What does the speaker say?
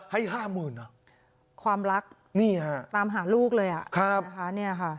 ให้ห้าหมื่นอ่ะความรักนี่ฮะตามหาลูกเลยอ่ะครับนะคะเนี่ยค่ะ